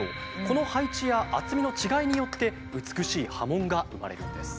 この配置や厚みの違いによって美しい刃文が生まれるんです。